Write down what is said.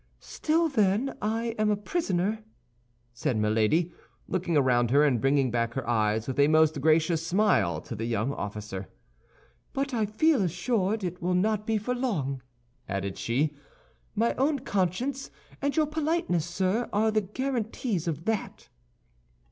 "Still, then, I am a prisoner," said Milady, looking around her, and bringing back her eyes with a most gracious smile to the young officer; "but I feel assured it will not be for long," added she. "My own conscience and your politeness, sir, are the guarantees of that."